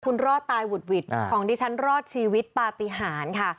คุณรอดตายหุดหวิดของดิฉันรอดชีวิตปฏิหารค่ะ